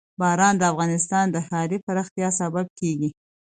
باران د افغانستان د ښاري پراختیا سبب کېږي.